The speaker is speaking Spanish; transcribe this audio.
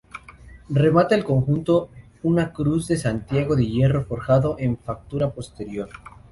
Remata el conjunto una Cruz de Santiago, de hierro forjado, de factura posterior.